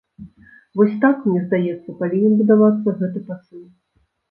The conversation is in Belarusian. Вось так, мне здаецца, павінен будавацца гэты пасыл.